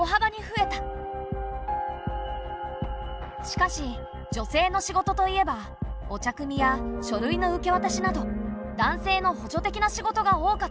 しかし女性の仕事といえばお茶くみや書類の受けわたしなど男性の補助的な仕事が多かった。